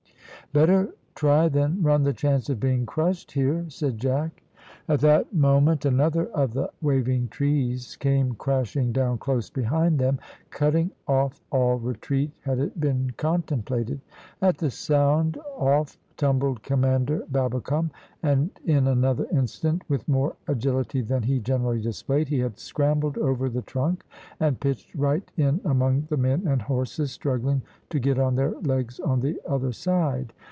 "Better try than run the chance of being crushed here," said Jack. At that moment another of the waving trees came crashing down close behind them, cutting off all retreat had it been contemplated. At the sound off tumbled Commander Babbicome; and in another instant, with more agility than he generally displayed, he had scrambled over the trunk, and pitched right in among the men and horses, struggling to get on their legs on the other side.